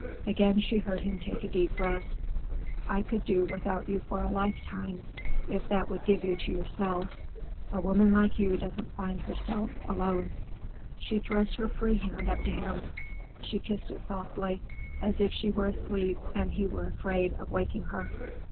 Again she heard him take a deep breath. "I could do without you for a lifetime, if that would give you to yourself. A woman like you doesn't find herself, alone." She thrust her free hand up to him. He kissed it softly, as if she were asleep and he were afraid of waking her.